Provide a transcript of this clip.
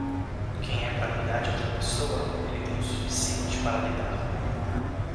Quem é para cuidar de outra pessoa, ele tem o suficiente para lidar.